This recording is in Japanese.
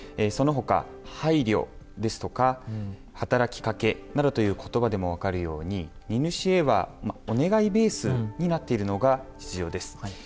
その他「配慮」ですとか「働きかけ」などという言葉でも分かるように荷主へはお願いベースになっているのが実情です。